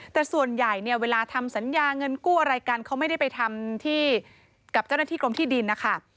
แต่ส่วนใหญ่เนี่ยเวลาทำสัญญาเงินกู้อะไรกันเขาไม่ได้ไปทำที่กับเจ้าหน้าที่กรมที่ดินนะคะ